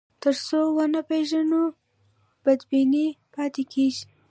تر څو ونه پېژنو، بدبیني پاتې کېږي.